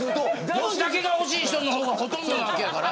ダムだけが欲しい人の方がほとんどなわけやから。